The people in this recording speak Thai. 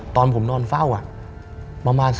ตอนผมนอนเฝ้าอ่ะ